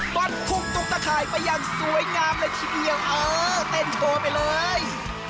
มัดคุมตุกตะข่ายไปอย่างสวยงามเลยทีเดียวเออเต้นโชว์ไปเลย